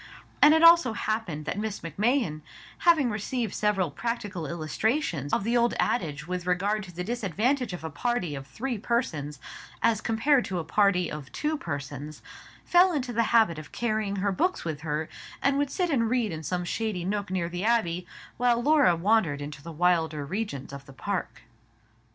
And it also happened that Miss Macmahon, having received several practical illustrations of the old adage with regard to the disadvantage of a party of three persons as compared to a party of two persons, fell into the habit of carrying her books with her, and would sit and read in some shady nook near the abbey, while Laura wandered into the wilder regions of the park.